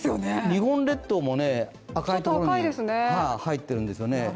日本列島も赤いところに入っているんですよね